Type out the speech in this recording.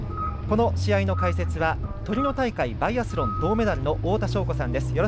この試合の解説はトリノ大会、バイアスロン銅メダルの太田渉子さんです。